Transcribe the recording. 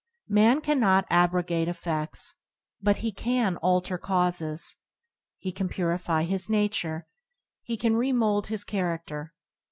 Man cannot abrogate effeds, but he can alter causes. He can purify his nature; he can remould his character.